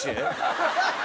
ハハハハ！